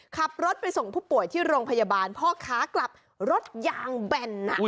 ขับรถไปส่งผู้ป่วยที่โรงพยาบาลพ่อค้ากลับรถยางแบน